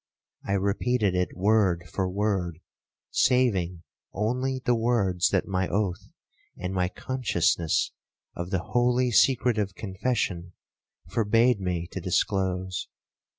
I repeated it word for word, saving only the words that my oath, and my consciousness of the holy secret of confession, forbade me to disclose.